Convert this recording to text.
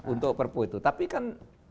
untuk perpu itu tapi kan